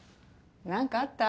何かあった？